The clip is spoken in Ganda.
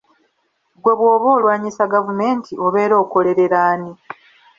Ggwe bw'oba olwanyisa gavumenti obeera okolerera ani?